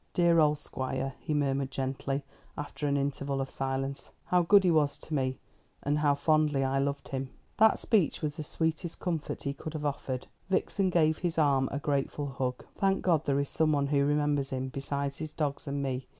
"Dear old Squire," he murmured gently, after an interval of silence. "How good he was to me, and how fondly I loved him." That speech was the sweetest comfort he could have offered. Vixen gave his arm a grateful hug. "Thank God there is someone who remembers him, besides his dogs and me!"